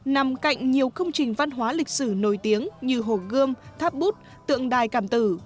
nằm cạnh nhiều công trình văn hóa lịch sử nổi tiếng như hồ gươm tháp bút tượng đài cảm tử